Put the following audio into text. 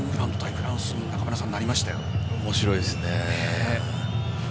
フランスに面白いですね。